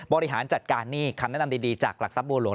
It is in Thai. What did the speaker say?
บริหารจัดการหนี้คำแนะนำดีจากหลักทรัพย์บัวหลวง